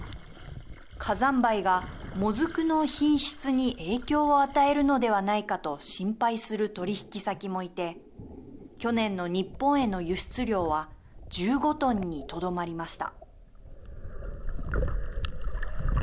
火山灰が、もずくの品質に影響を与えるのではないかと心配する取引先もいて去年の日本への輸出量は１５トンにとどまりました。